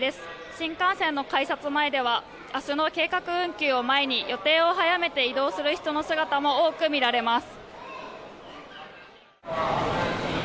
新幹線の改札前では明日の計画運休を前に予定を早めて移動する人の姿も多く見られます。